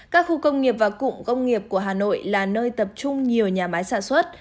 các khu công nghiệp và cụm công nghiệp của hà nội là nơi tập trung nhiều nhà máy sản xuất